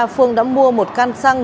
phương đã mua một can xăng